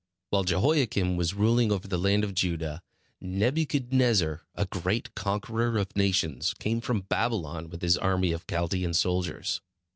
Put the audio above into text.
While Jehoiakim was ruling over the land of Judah, Nebuchadnezzar, a great conqueror of the nations, came from Babylon with his army of Chaldean soldiers.